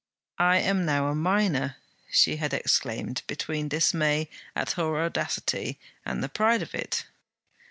'I am now a miner,' she had exclaimed, between dismay at her audacity and the pride of it.